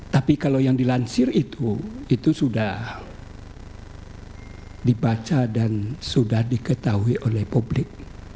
tapi kalau yang dilansir itu itu sudah dibaca dan sudah diketahui oleh publik